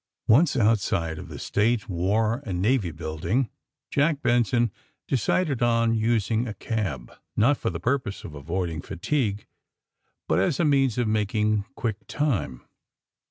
Once outside of the State, War and Navy building Jack Benson decided on using a cab; not for the purpose of avoiding fatigue, but as a means of making quick time.